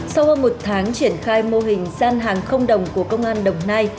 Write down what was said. sau hơn một tháng triển khai mô hình gian hàng không đồng của công an đồng nai